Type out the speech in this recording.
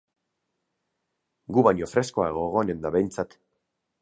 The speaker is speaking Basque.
Gu baino freskoago egonen da behintzat.